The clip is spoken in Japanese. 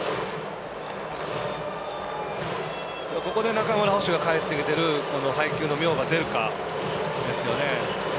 ここで中村捕手が帰ってきてる配球の妙が出るかですよね。